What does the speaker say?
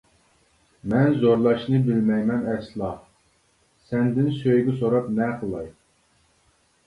مەن زورلاشنى بىلمەيمەن ئەسلا، سەندىن سۆيگۈ سوراپ نە قىلاي.